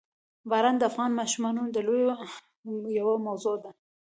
باران د افغان ماشومانو د لوبو یوه موضوع ده.